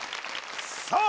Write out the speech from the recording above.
さあ